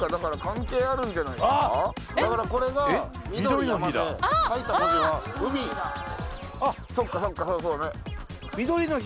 だからこれがみどり山で書いた文字が海そっかそっかそうだね